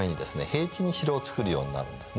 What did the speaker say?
平地に城を造るようになるんですね。